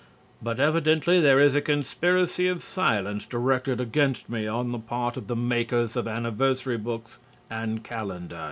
But evidently there is a conspiracy of silence directed against me on the part of the makers of anniversary books and calendars.